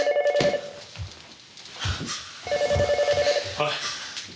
おい。